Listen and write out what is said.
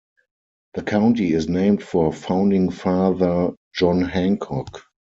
The county is named for Founding Father John Hancock.